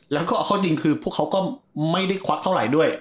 แล้วก็เอาเข้าจริงคือพวกเขาก็ไม่ได้ควักเท่าไหร่ด้วย